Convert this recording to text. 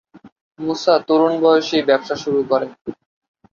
মুসা তরুণ বয়সেই ব্যবসা শুরু করেন।